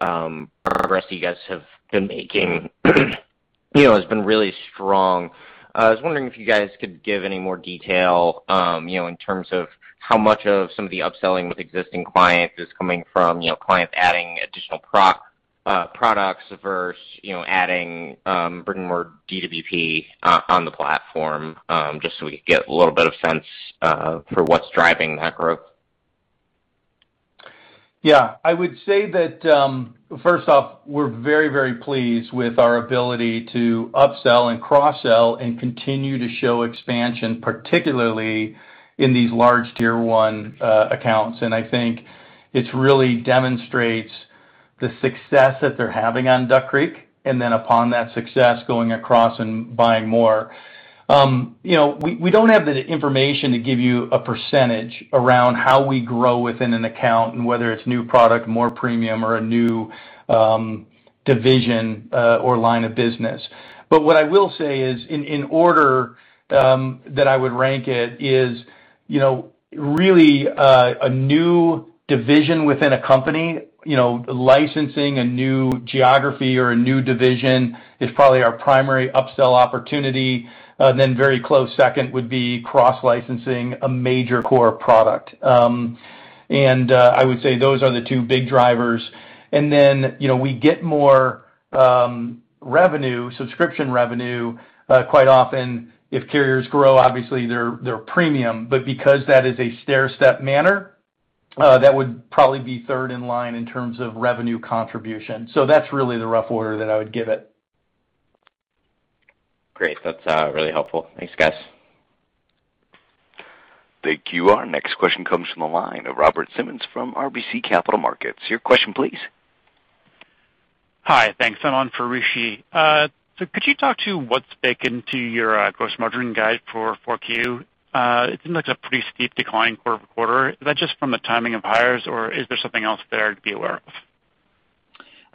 progress you guys have been making. It's been really strong. I was wondering if you guys could give any more detail in terms of how much of some of the upselling with existing clients is coming from clients adding additional products versus adding more DWP on the platform, just so we can get a little bit of sense for what's driving that growth. Yeah. I would say that, first off, we're very, very pleased with our ability to upsell and cross-sell and continue to show expansion, particularly in these large Tier 1 accounts. I think it really demonstrates the success that they're having on Duck Creek, and then upon that success, going across and buying more. We don't have the information to give you a percentage around how we grow within an account and whether it's new product, more premium, or a new division or line of business. What I will say is, in order that I would rank it is really a new division within a company. Licensing a new geography or a new division is probably our primary upsell opportunity. Very close second would be cross-licensing a major core product. I would say those are the two big drivers. We get more revenue, subscription revenue, quite often if carriers grow, obviously their premium. Because that is a stairstep manner, that would probably be third in line in terms of revenue contribution. That's really the rough order that I would give it. Great. That's really helpful. Thanks, guys. Thank you. Our next question comes from the line of Robert Simmons from RBC Capital Markets. Your question please. Hi, thanks. One for [Rishi]. Could you talk to what's baked into your gross margin guide for 4Q? It looks like a pretty steep decline quarter-over-quarter. Is that just from the timing of hires, or is there something else there to be aware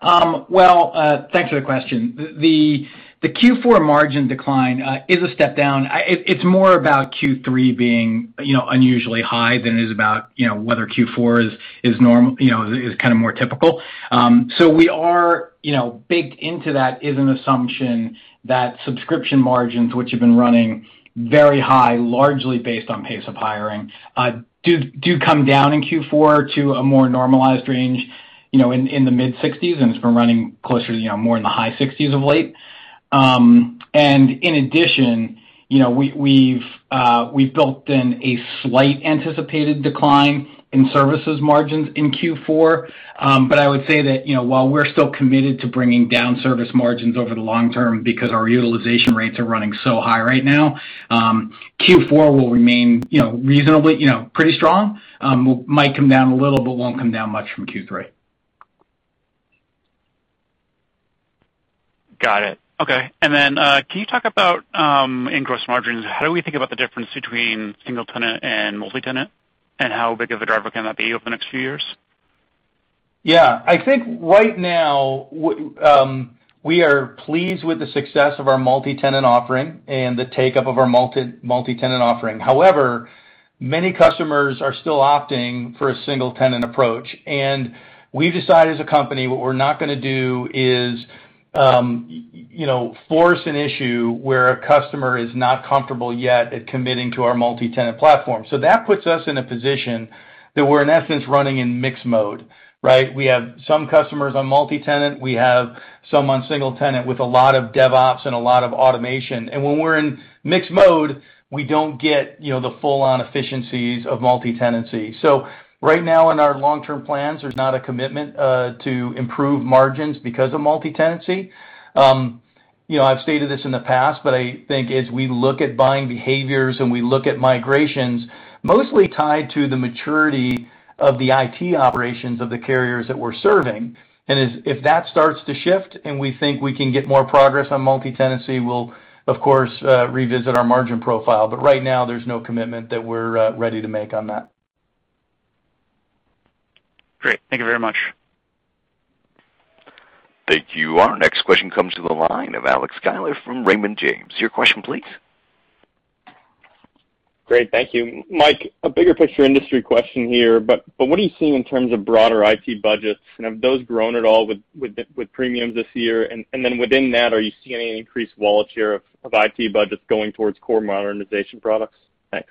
of? Well, thanks for the question. The Q4 margin decline is a step down. It's more about Q3 being unusually high than is about whether Q4 is kind of more typical. Baked into that is an assumption that subscription margins, which have been running very high, largely based on pace of hiring do come down in Q4 to a more normalized range in the mid-60s. It's been running closer, more in the high-60s of late. In addition, we've built in a slight anticipated decline in services margins in Q4. I would say that, while we're still committed to bringing down service margins over the long-term because our utilization rates are running so high right now, Q4 will remain reasonably pretty strong. Might come down a little, but won't come down much from Q3. Got it. Okay. Can you talk about in gross margins, how do we think about the difference between single-tenant and multi-tenant, and how big of a driver can that be over the next few years? Yeah, I think right now we are pleased with the success of our multi-tenant offering and the take-up of our multi-tenant offering. However, many customers are still opting for a single-tenant approach. We decided as a company, what we're not going to do is force an issue where a customer is not comfortable yet at committing to our multi-tenant platform. That puts us in a position that we're in essence running in mixed mode, right? We have some customers on multi-tenant. We have some on single-tenant with a lot of DevOps and a lot of automation. When we're in mixed mode, we don't get the full-on efficiencies of multi-tenancy. Right now in our long-term plans, there's not a commitment to improve margins because of multi-tenancy. I've stated this in the past, but I think as we look at buying behaviors and we look at migrations mostly tied to the maturity of the IT operations of the carriers that we're serving. If that starts to shift and we think we can get more progress on multi-tenancy, we'll of course revisit our margin profile. Right now, there's no commitment that we're ready to make on that. Great. Thank you very much. Thank you. Our next question comes from the line of Alex Sklar from Raymond James. Your question, please. Great. Thank you. Mike, a bigger picture industry question here, but what are you seeing in terms of broader IT budgets, and have those grown at all with premium this year? Within that, are you seeing any increased wallet share of IT budgets going towards core modernization products? Thanks.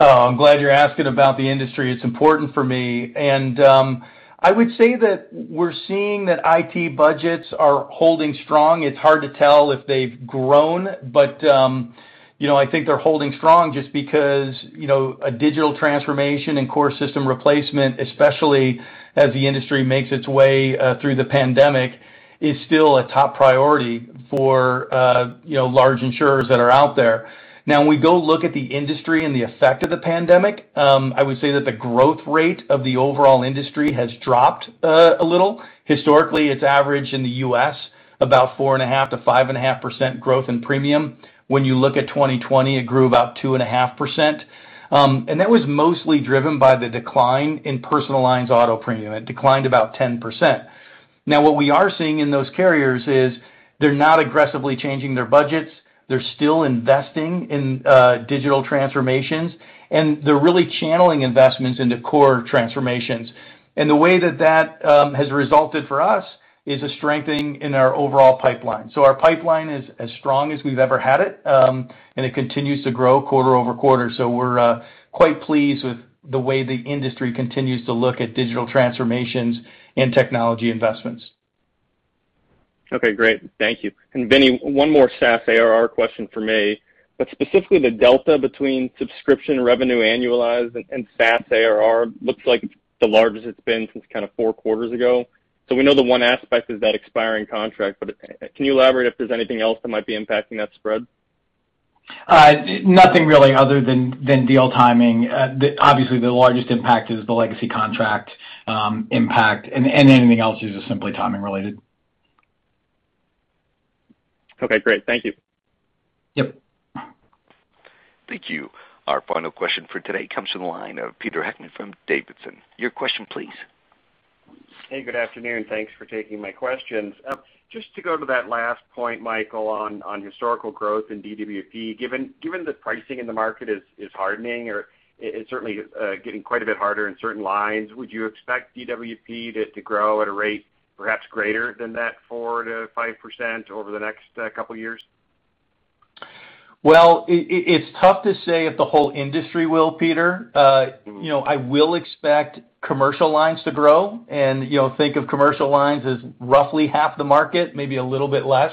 I'm glad you're asking about the industry. It's important for me. I would say that we're seeing that IT budgets are holding strong. It's hard to tell if they've grown, but I think they're holding strong just because a digital transformation and core system replacement, especially as the industry makes its way through the pandemic, is still a top priority for large insurers that are out there. Now we go look at the industry and the effect of the pandemic, I would say that the growth rate of the overall industry has dropped a little. Historically, it's averaged in the U.S. about 4.5%-5.5% growth in premium. When you look at 2020, it grew about 2.5%, and that was mostly driven by the decline in personal lines auto premium. It declined about 10%. Now, what we are seeing in those carriers is they're not aggressively changing their budgets. They're still investing in digital transformations, and they're really channeling investments into core transformations. The way that that has resulted for us is a strengthening in our overall pipeline. Our pipeline is as strong as we've ever had it, and it continues to grow quarter-over-quarter. We're quite pleased with the way the industry continues to look at digital transformations and technology investments. Okay, great. Thank you. Vinny, one more SaaS ARR question from me. Specifically, the delta between subscription revenue annualized and SaaS ARR looks like the largest it's been since kind of four quarters ago. We know the one aspect is that expiring contract, but can you elaborate if there's anything else that might be impacting that spread? Nothing really other than deal timing. Obviously, the largest impact is the legacy contract impact. Anything else is just simply timing related. Okay, great. Thank you. Yep. Thank you. Our final question for today comes from the line of Peter Heckmann from D.A. Davidson. Your question, please. Hey, good afternoon. Thanks for taking my questions. Just to go to that last point, Mike, on historical growth in DWP. Given that pricing in the market is hardening or it's certainly getting quite a bit harder in certain lines, would you expect DWP to grow at a rate perhaps greater than that 4%-5% over the next couple of years? Well, it's tough to say if the whole industry will, Peter. I will expect commercial lines to grow, and think of commercial lines as roughly half the market, maybe a little bit less.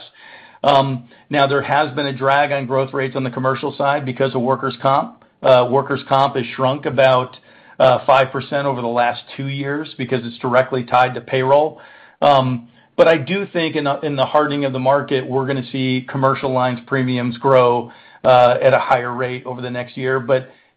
There has been a drag on growth rates on the commercial side because of workers' comp. Workers' comp has shrunk about 5% over the last two years because it's directly tied to payroll. I do think in the hardening of the market, we're going to see commercial lines premiums grow at a higher rate over the next year.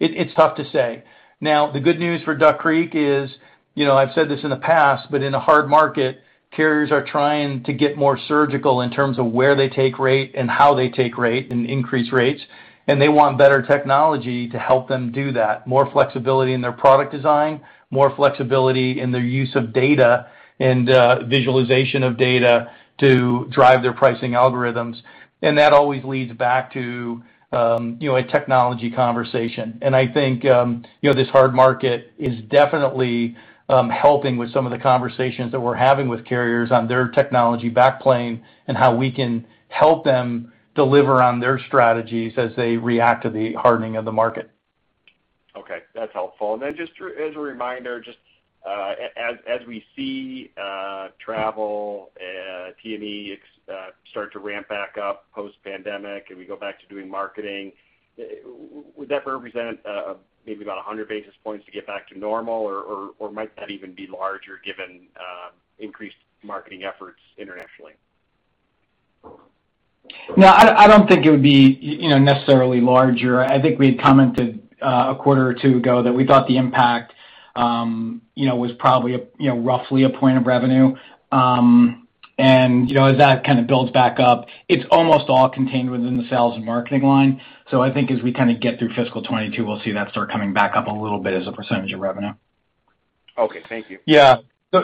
It's tough to say. The good news for Duck Creek is, I've said this in the past, but in a hard market, carriers are trying to get more surgical in terms of where they take rate and how they take rate and increase rates. They want better technology to help them do that, more flexibility in their product design, more flexibility in their use of data and visualization of data to drive their pricing algorithms. That always leads back to a technology conversation. I think this hard market is definitely helping with some of the conversations that we're having with carriers on their technology back plane and how we can help them deliver on their strategies as they react to the hardening of the market. Okay. That's helpful. Just as a reminder, just as we see travel and T&E start to ramp back up post-pandemic and we go back to doing marketing, would that represent maybe about 100 basis points to get back to normal, or might that even be larger given increased marketing efforts internationally? I don't think it would be necessarily larger. I think we had commented a quarter or two ago that we thought the impact was probably roughly a point of revenue. As that kind of builds back up, it's almost all contained within the sales and marketing line. I think as we kind of get through fiscal 2022, we'll see that start coming back up a little bit as a percentage of revenue. Okay, thank you.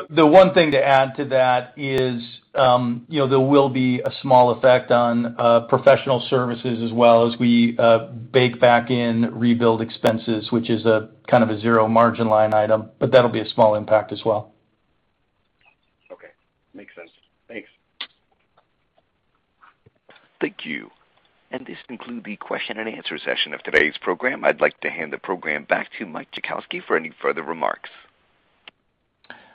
The one thing to add to that is there will be a small effect on professional services as well as we bake back in rebuild expenses, which is a kind of a zero margin line item, but that'll be a small impact as well. Okay. Makes sense. Thanks. Thank you. This concludes the question and answer session of today's program. I'd like to hand the program back to Mike Jackowski for any further remarks.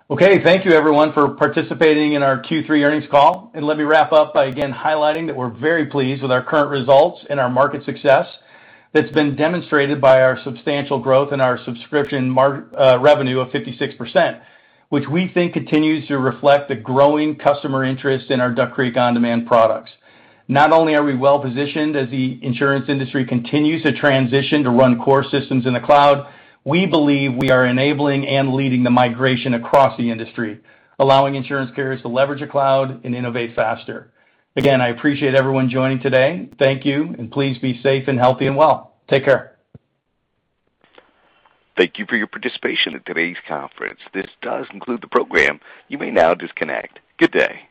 Okay. Thank you, everyone, for participating in our Q3 Earnings Call. Let me wrap-up by again highlighting that we're very pleased with our current results and our market success that's been demonstrated by our substantial growth in our subscription revenue of 56%, which we think continues to reflect the growing customer interest in our Duck Creek OnDemand products. Not only are we well-positioned as the insurance industry continues to transition to run core systems in the cloud, we believe we are enabling and leading the migration across the industry, allowing insurance carriers to leverage the cloud and innovate faster. Again, I appreciate everyone joining today. Thank you, and please be safe and healthy and well. Take care. Thank you for your participation in today's conference. This does conclude the program. You may now disconnect. Good day.